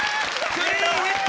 クリーンヒット。